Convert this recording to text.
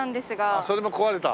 ああそれも壊れた？